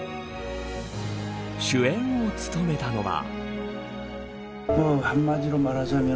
主演を務めたのは。